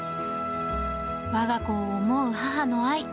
わが子を思う母の愛。